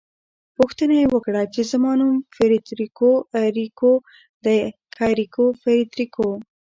پوښتنه يې وکړه چې زما نوم فریدریکو انریکو دی که انریکو فریدریکو؟